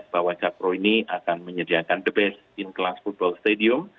bahwa jakpro ini akan menyediakan the best in class football stadium